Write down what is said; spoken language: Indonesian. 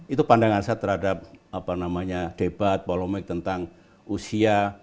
itu pandangan saya terhadap debat polemik tentang usia